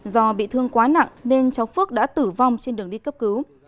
do bị thương quá nặng nên cháu phước đã tử vong trên đường đi cấp cứu